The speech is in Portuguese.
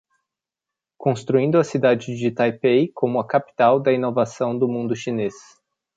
Construindo a cidade de Taipei como a capital da inovação do mundo chinês